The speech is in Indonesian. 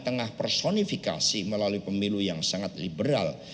di tengah personifikasi melalui pemilu yang sangat liberal